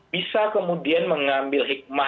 bisa kemudian mengambil hikmah